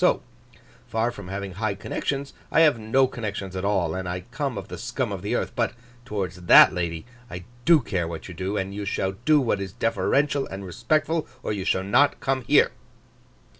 So far from having high connections I have no connections at all, and I come of the scum of the earth. But towards that lady, I do care what you do; and you shall do what is deferential and respectful, or you shall not come here.